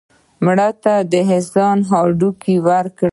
مړه ته د احسان هدیه وکړه